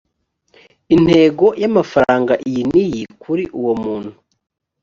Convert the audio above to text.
intego y’amafaranga iyi n’iyi kuri uwo muntu